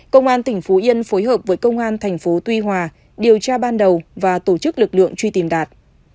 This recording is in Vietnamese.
công an tỉnh phú yên phối hợp với công an thành phố tuy hòa điều tra ban đầu và tổ chức lực lượng truy tìm đạt